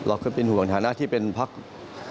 เราเคยเป็นห่วงสถานะที่เป็นพักภพ